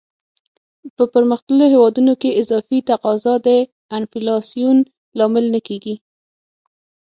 په پرمختللو هیوادونو کې اضافي تقاضا د انفلاسیون لامل نه کیږي.